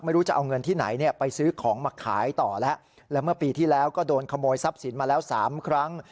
ไม่รู้จะเอาเงินที่ไหนเนี่ยไปซื้อของมาขายต่อแล้วแล้วเมื่อปีที่แล้วก็โดนขโมยทรัพย์สินมาแล้วสามครั้ง